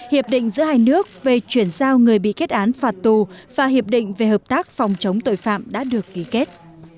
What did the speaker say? hiệp định giữa hai nước về chuyển giao người bị kết án phạt tù và hiệp định về hợp tác phòng chống tội phạm đã được ký kết